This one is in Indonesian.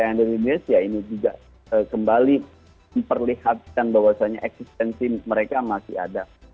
nah jad indonesia ini juga kembali diperlihatkan bahwasannya eksistensi mereka masih ada